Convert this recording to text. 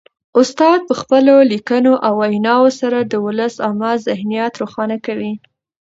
استاد په خپلو لیکنو او ویناوو سره د ولس عامه ذهنیت روښانه کوي.